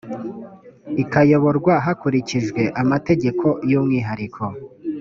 ikayoborwa hakurikijwe amategeko y umwihariko